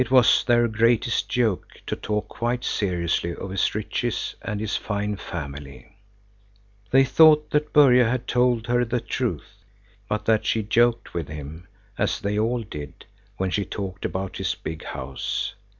It was their greatest joke to talk quite seriously of his riches and his fine family. They thought that Börje had told her the truth, but that she joked with him, as they all did, when she talked about his big house.